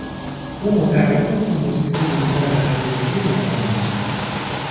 او معتقد بود که موسیقی منجر به هرزگی جوانان میشود.